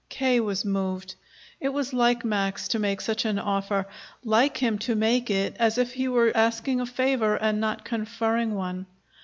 K. was moved. It was like Max to make such an offer, like him to make it as if he were asking a favor and not conferring one.